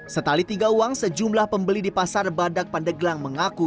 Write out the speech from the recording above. setali tiga uang sejumlah pembeli di pasar badak pandeglang mengaku